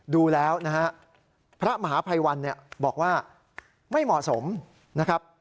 ดูแล้วนะฮะพระมหาภัยวันเนี่ยบอกว่าไม่เหมาะสมนะครับ